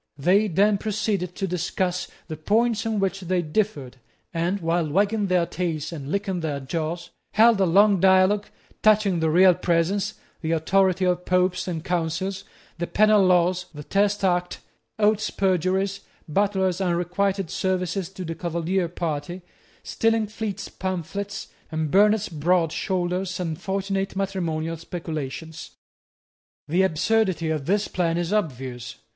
They then proceeded to discuss the points on which they differed, and, while wagging their tails and licking their jaws, held a long dialogue touching the real presence, the authority of Popes and Councils, the penal laws, the Test Act, Oates's perjuries, Butler's unrequited services to the Cavalier party, Stillingfleet's pamphlets, and Burnet's broad shoulders and fortunate matrimonial speculations. The absurdity of this plan is obvious.